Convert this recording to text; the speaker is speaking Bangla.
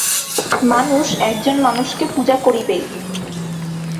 মানুষ একজন মানুষকে পূজা করিবেই।